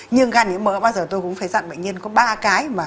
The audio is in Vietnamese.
nhưng gan nhiễm mỡ bao giờ tôi cũng phải dặn bệnh nhân có ba cái